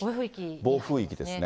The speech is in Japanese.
暴風域ですね。